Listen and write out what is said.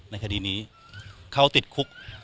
ในคดีนี้เขาติดคุก